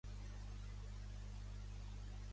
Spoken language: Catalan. La zona també produeix un bon vi de Porto fortificat.